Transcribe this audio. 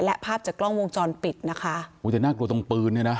และภาพจากกล้องวงจรปิดนะคะอุ้ยแต่น่ากลัวตรงปืนเนี่ยนะ